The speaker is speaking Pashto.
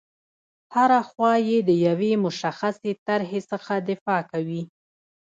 هره خوا یې د یوې مشخصې طرحې څخه دفاع کوي.